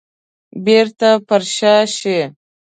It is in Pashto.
بيرته پر شا شي.